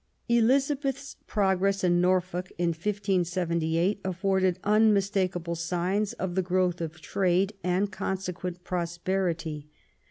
'* Elizabeth's progress in Norfolk, in 1578, afforded unmistakable signs of the growth of trade, and consequent prosperity.